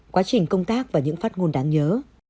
quá trình công tác và những phát ngôn đáng nhớ